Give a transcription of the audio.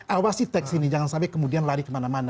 awasi teks ini jangan sampai kemudian lari kemana mana